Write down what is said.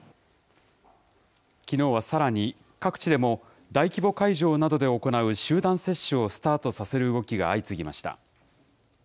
きのうはさらに、各地でも大規模会場などで行う集団接種をスタートさせる動きが相次ぎました。